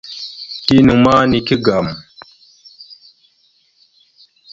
Tina ma nike agam.